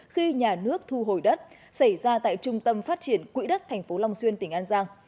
khi nhà nước thu hồi đất xảy ra tại trung tâm phát triển quỹ đất tp long xuyên tỉnh an giang